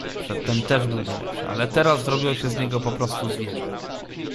"Przedtem też był nie lepszym, ale teraz zrobiło się z niego poprostu zwierzę."